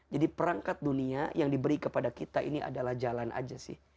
jadi perangkat dunia yang diberi kepada kita ini adalah jalan aja sih